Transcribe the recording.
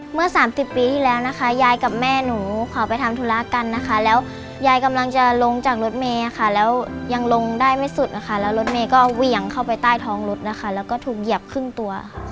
เมื่อ๓๐ปีที่แล้วนะคะยายกับแม่หนูขอไปทำธุระกันนะคะแล้วยายกำลังจะลงจากรถเมย์ค่ะแล้วยังลงได้ไม่สุดนะคะแล้วรถเมย์ก็เหวี่ยงเข้าไปใต้ท้องรถนะคะแล้วก็ถูกเหยียบครึ่งตัวค่ะ